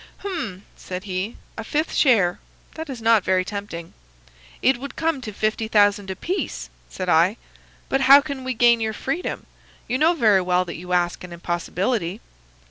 "'Hum!' said he. 'A fifth share! That is not very tempting.' "'It would come to fifty thousand apiece,' said I. "'But how can we gain your freedom? You know very well that you ask an impossibility.